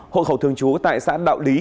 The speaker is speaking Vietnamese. hội khẩu thường trú tại xã đạo lý